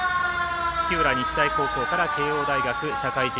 土浦日大高校から慶応大学社会人